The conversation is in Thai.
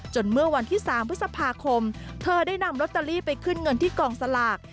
เมื่อวันที่๓พฤษภาคมเธอได้นำลอตเตอรี่ไปขึ้นเงินที่กองสลาก